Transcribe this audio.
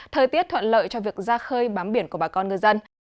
thời tiết thuận lợi cho việc ra khơi bám biển của bà con ngư dân